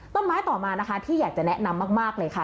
ต้นไม้ต่อมานะคะที่อยากจะแนะนำมากเลยค่ะ